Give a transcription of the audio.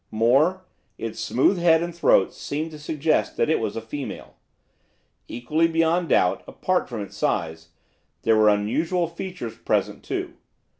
More, its smooth head and throat seemed to suggest that it was a female. Equally beyond a doubt, apart from its size, there were unusual features present too.